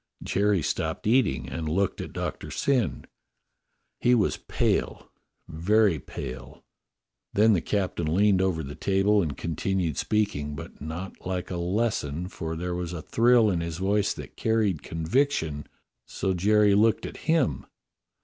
Jerry stopped eating and looked at Doctor Syn. He was pale, very pale. Then the captain leaned over the table and con tinued speaking, but not like a lesson, for there was a thrill in his voice that carried conviction, so Jerry looked at him.